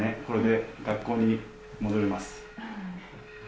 これで学校に戻れます。